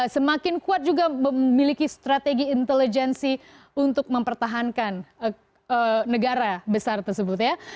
semakin kuat juga memiliki strategi intelijensi untuk mempertahankan negara besar tersebut ya